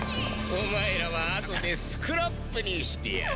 お前らはあとでスクラップにしてやる。